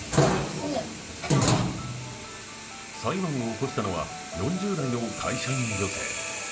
裁判を起こしたのは４０代の会社員女性。